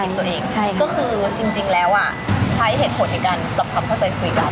ก็คือจริงแล้วอ่ะใช้เหตุผลในการปรับความเข้าใจคุยกัน